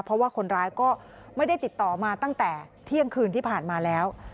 เพราะว่าคนร้ายก็ไม่ได้ติดต่อมาตั้งแต่เที่ยงคืนที่ผ่านมาแล้ว